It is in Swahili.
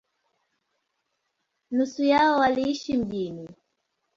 Nusu yao waliishi mjini.